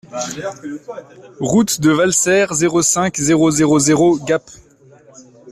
Route de Valserres, zéro cinq, zéro zéro zéro Gap